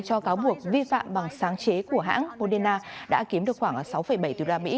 cho cáo buộc vi phạm bằng sáng chế của hãng moderna đã kiếm được khoảng sáu bảy tỷ đô la mỹ